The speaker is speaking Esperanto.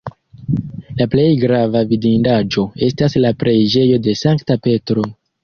La plej grava vidindaĵo estas la preĝejo de Sankta Petro.